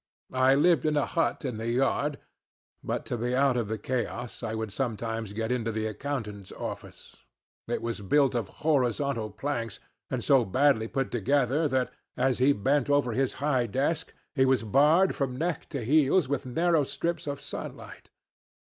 I lived in a hut in the yard, but to be out of the chaos I would sometimes get into the accountant's office. It was built of horizontal planks, and so badly put together that, as he bent over his high desk, he was barred from neck to heels with narrow strips of sunlight.